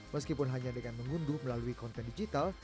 meskipun hanya dengan mengunduh melalui konten digital